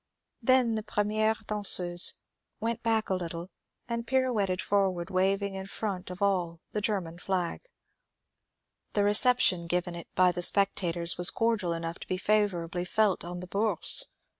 Then the premiere danseuse went back a little, and pironetted for ward waving in front of all the German flag. The reception given it by the spectators was cordial enough to be favourably felt on the Bourse.